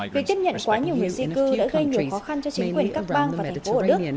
việc tiếp nhận quá nhiều người di cư đã gây nhiều khó khăn cho chính quyền các bang và thành phố của đức